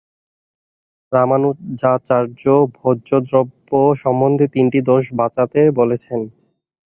রামানুজাচার্য ভোজ্যদ্রব্য সম্বন্ধে তিনটি দোষ বাঁচাতে বলছেন।